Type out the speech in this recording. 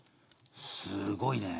すごいね。